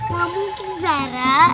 gak mungkin zara